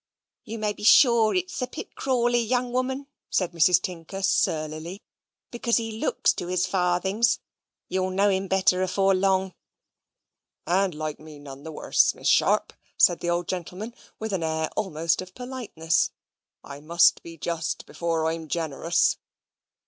"You may be sure it's Sir Pitt Crawley, young woman," said Mrs. Tinker, surlily; "because he looks to his farthings. You'll know him better afore long." "And like me none the worse, Miss Sharp," said the old gentleman, with an air almost of politeness. "I must be just before I'm generous."